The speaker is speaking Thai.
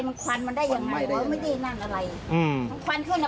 มันโปรกัสจากอะไร